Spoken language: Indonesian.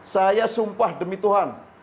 saya sumpah demi tuhan